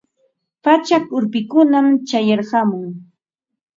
Pachak urpikunam chayarqamun.